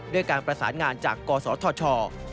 ด้วยการประสานงานจากกศธช